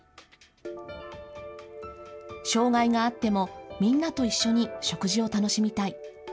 障害があってもみんなと一緒に食事を楽しみたい。